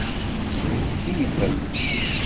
Tkeyyfem.